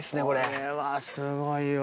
これはすごいわ。